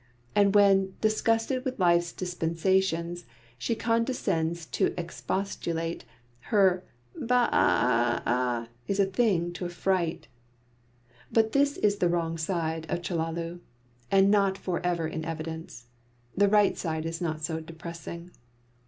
And when, disgusted with life's dispensations, she condescends to expostulate, her "Ba a a a" is a thing to affright. But this is the wrong side of Chellalu, and not for ever in evidence. The right side is not so depressing.